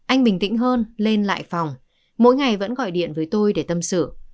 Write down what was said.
anh bình tĩnh hơn lên lại phòng mỗi ngày vẫn gọi điện với tôi để tâm sự